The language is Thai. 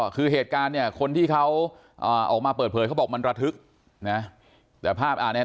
คือเหตุการณ์คนที่เขาออกมาเปิดเผยเกี่ยวกันเขาบอกมันระทึก